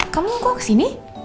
kamu kok kesini